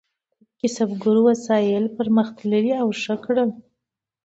کسبګرو وسایل پرمختللي او ښه کړل.